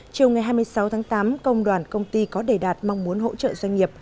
chiều ngày hai mươi sáu tháng tám công đoàn công ty có đề đạt mong muốn hỗ trợ doanh nghiệp